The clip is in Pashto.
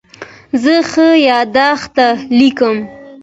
زه ښه یادښت لیکم.